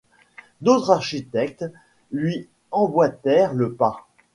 D'autres architectes lui emboîtèrent le pas.